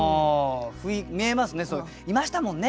見えますねいましたもんね。